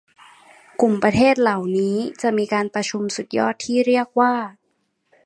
กลุ่มประเทศเหล่านี้จะมีการประชุมสุดยอดที่เรียกว่า